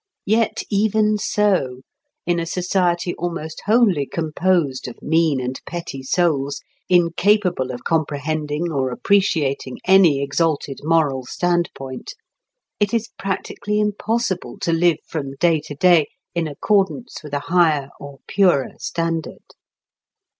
Yet even so, in a society almost wholly composed of mean and petty souls, incapable of comprehending or appreciating any exalted moral standpoint, it is practically impossible to live from day to day in accordance with a higher or purer standard.